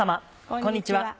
こんにちは。